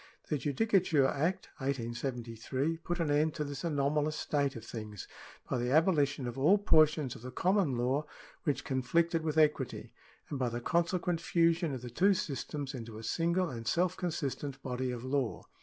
The Judicature Act, 1873, put an end to this anomalous state of things, by the abolition of all portions of the common law which conflicted with equity, and by the consequent fusion of the two systems into a single and self consistent body of law.